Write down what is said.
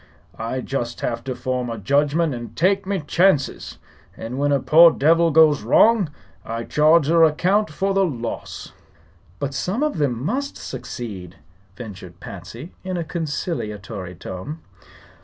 I just have to form a judgment an' take me chances; and whin a poor devil goes wrong I charge your account with the loss." "But some of them must succeed," ventured Patsy, in a conciliatory tone.